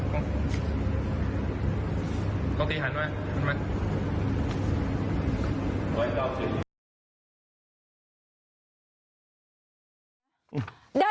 โคกรีย์หันไว้หันไว้